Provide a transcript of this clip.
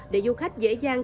để du khách dễ dàng